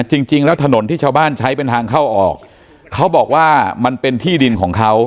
จริงแล้วถนนที่ชาวบ้านใช้เป็นทางเข้าออกเขาบอกว่ามันเป็นที่ดินของเขา